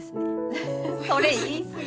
ハハそれ言い過ぎ。